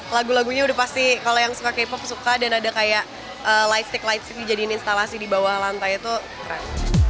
lagu lagunya udah pasti kalau yang suka k pop suka dan ada kayak lightstick lightstick dijadiin instalasi di bawah lantai itu keren